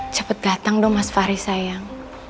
cepet datang dong mas fahri sayang